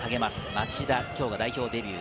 町田、きょうが代表デビュー。